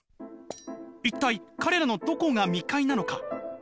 「一体彼らのどこが未開なのか？